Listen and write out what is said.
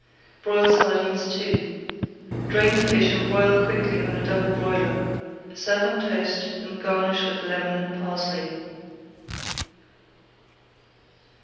BROILED SARDINES II Drain the fish and broil quickly on a double broiler. Serve on toast and garnish with lemon and parsley.